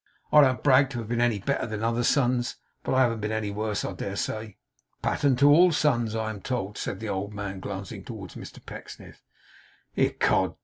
'I don't brag to have been any better than other sons; but I haven't been any worse, I dare say.' 'A pattern to all sons, I am told,' said the old man, glancing towards Mr Pecksniff. 'Ecod!